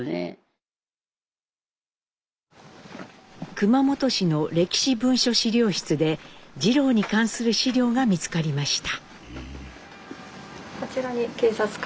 熊本市の歴史文書資料室で次郎に関する資料が見つかりました。